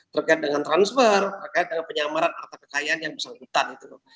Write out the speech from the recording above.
terkait dengan transfer terkait dengan penyamaran harta kekayaan yang bersangkutan gitu loh